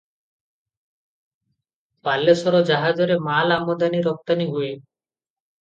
ବାଲେଶ୍ୱର ଜାହାଜରେ ମାଲ ଆମଦାନି ରପ୍ତାନି ହୁଏ ।